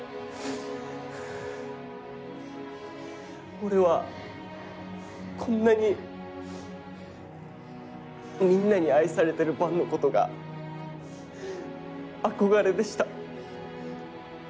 俺はこんなにみんなに愛されてる伴のことが憧れでした。